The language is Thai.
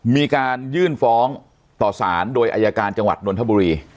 มีการยื่นฟ้องต่อสารโดยอายการจังหวัดนทบุรี